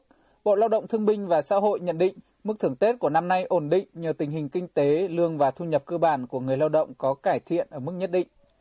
theo báo cáo của địa phương bộ lao động thương binh và xã hội nhận định mức thưởng tết của năm nay ổn định nhờ tình hình kinh tế lương và thu nhập cơ bản của người lao động có cải thiện ở mức nhất định